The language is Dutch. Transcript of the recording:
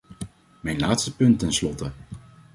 Mijn laatste punt ten slotte.